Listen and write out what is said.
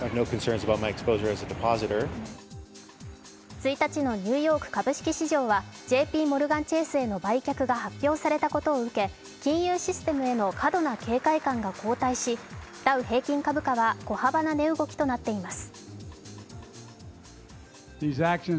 １日のニューヨーク株式市場はＪＰモルガン・チェースへの売却が発表されたことを受け金融システムへの過度な警戒感が後退し、ダウ平均株価は小幅な値動きとなっています。